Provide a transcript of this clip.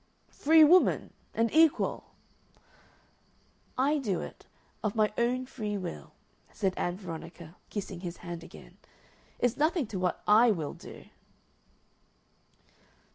"Free woman and equal." "I do it of my own free will," said Ann Veronica, kissing his hand again. "It's nothing to what I WILL do."